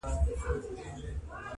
پلار په یو وخت په مکتب کي شامل کړله،